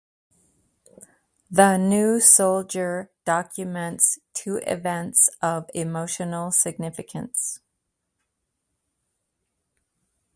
"The New Soldier" documents two events of emotional significance.